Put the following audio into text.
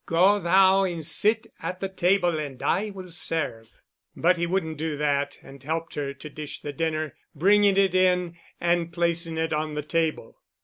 "Go thou and sit at the table and I will serve." But he wouldn't do that and helped her to dish the dinner, bringing it in and placing it on the table.